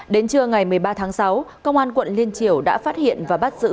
đến trưa ngày một mươi ba tháng sáu công an quận liên triều đã phát hiện và bắt giữ